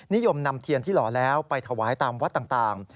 นิยมนำเทียนที่หล่อแล้วไปถวายตามวัดต่าง